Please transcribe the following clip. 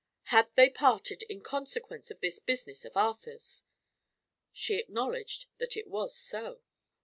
'Had they parted in consequence of this business of Arthur's?' She acknowledged that it was so."